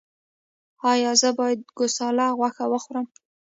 ایا زه باید د ګوساله غوښه وخورم؟